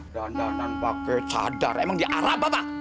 danan danan pake cadar emang dia arab bapak